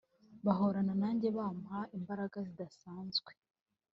bahorana nanjye…bampa imbaraga zidasanzwe